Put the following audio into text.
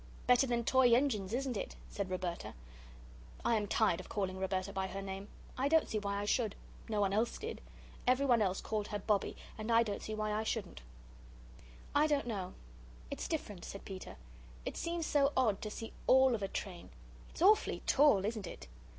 "Better than toy engines, isn't it?" said Roberta. (I am tired of calling Roberta by her name. I don't see why I should. No one else did. Everyone else called her Bobbie, and I don't see why I shouldn't.) "I don't know; it's different," said Peter. "It seems so odd to see ALL of a train. It's awfully tall, isn't it?"